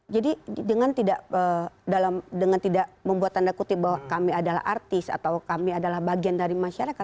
jadi dengan tidak membuat tanda kutip bahwa kami adalah artis atau kami adalah bagian dari masyarakat